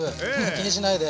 気にしないで。